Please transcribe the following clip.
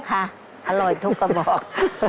อร่อยทุกกระบอก